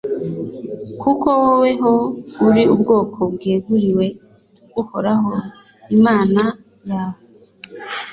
kuko woweho uri ubwoko bweguriwe uhoraho imana yawe.